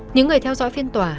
những người theo dõi phiên tòa